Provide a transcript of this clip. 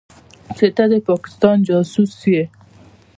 چې ته د پاکستان جاسوس يې.